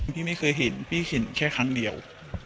พี่ไม่เคยเห็นพี่เห็นแค่ครั้งเดียว